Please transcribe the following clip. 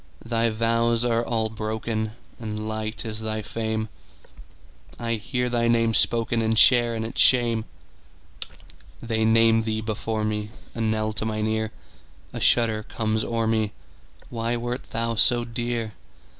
Thy vows are all broken, And light is thy fame:I hear thy name spokenAnd share in its shame. They name thee before me,A knell to mine ear;A shudder comes o'er me—Why wert thou so dear?